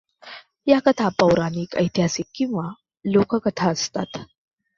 या कथा पौराणिक, ऐतिहासिक किंवा लोककथा असतात.